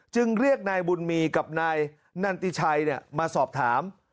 เรียกนายบุญมีกับนายนันติชัยมาสอบถาม